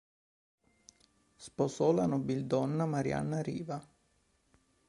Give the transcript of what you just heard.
Sposò la nobildonna Marianna Riva.